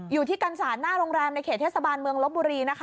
อยู่ที่กันศาลหน้าโรงแรมในเขตเทศบาลเมืองลบบุรีนะคะ